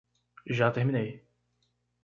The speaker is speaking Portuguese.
Já terminei